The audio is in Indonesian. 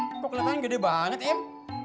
kok kelihatannya gede banget im